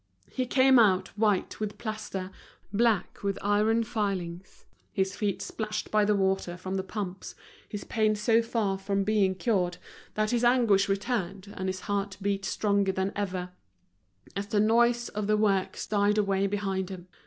He came out white with plaster, black with iron filings, his feet splashed by the water from the pumps, his pain so far from being cured that his anguish returned and his heart beat stronger than ever, as the noise of the works died away behind him.